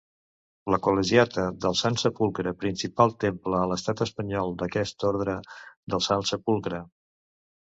La Col·legiata del Sant Sepulcre principal temple a l'estat espanyol d'aquest Orde del Sant Sepulcre.